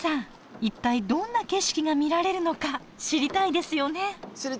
一体どんな景色が見られるのか知りたいですよね？